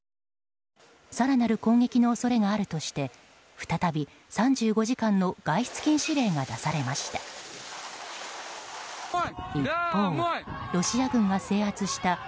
更なる攻撃の恐れがあるとして再び３５時間の外出禁止令が出されました。